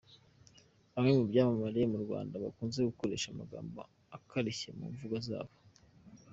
Bamwe mu byamamare mu Rwanda bakunze gukoresha amagambo akarishye mu mvugo zabo.